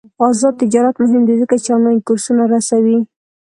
آزاد تجارت مهم دی ځکه چې آنلاین کورسونه رسوي.